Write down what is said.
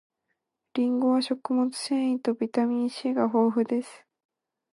りんごは食物繊維とビタミン C が豊富です